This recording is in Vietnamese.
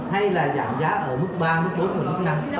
hay là giảm giá ở mức ba mức bốn mức năm